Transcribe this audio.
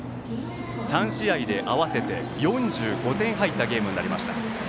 ３試合で合わせて４５点入ったゲームになりました。